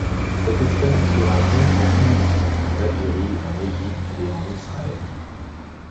Cette espèce se rencontre en Tunisie, en Algérie, en Égypte et en Israël.